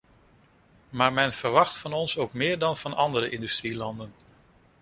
Maar men verwacht van ons ook meer dan van andere industrielanden.